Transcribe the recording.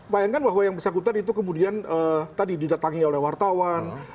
bayangkan bahwa yang bersangkutan itu kemudian tadi didatangi oleh wartawan